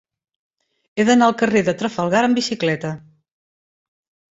He d'anar al carrer de Trafalgar amb bicicleta.